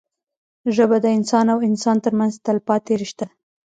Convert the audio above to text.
ژبه د انسان او انسان ترمنځ تلپاتې رشته ده